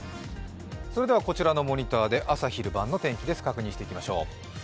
こちらのモニターで朝昼晩の天気です、確認していきましょう。